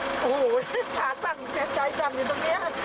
โอ้โหชาติสั่งแจ้งจังอยู่ตรงนี้ฮะ